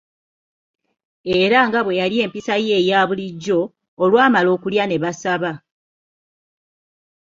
Era nga bwe yali empisa ye eya bulijjo, olwamala okulya ne basaba.